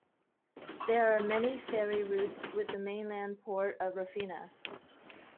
There are ferry routes with the mainland port of Rafina.